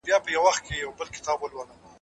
انا خپل لمونځ ته په دقت ودرېده.